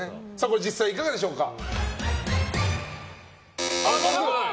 実際いかがでしょうか？